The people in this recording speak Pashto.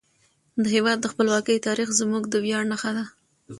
د هیواد د خپلواکۍ تاریخ زموږ د ویاړ نښه ده.